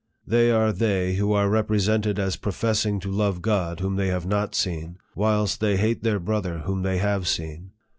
They are they who are represented as professing to love God whom they have not seen, whilst they hate their brother whom they have seen.